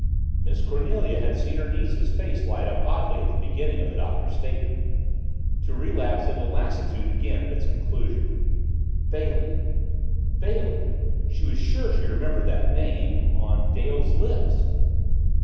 Miss Cornelia had seen her niece's face light up oddly at the beginning of the Doctor's statement to relapse into lassitude again at its conclusion. Bailey Bailey she was sure she remembered that name on Dale's lips.